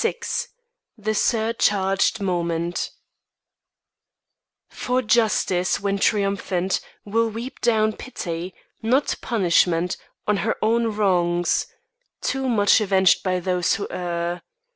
XXXVI THE SURCHARGED MOMENT For Justice, when triumphant, will weep down Pity, not punishment, on her own wrongs, Too much avenged by those who err.